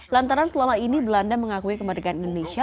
lantaran selama ini belanda mengakui kemerdekaan indonesia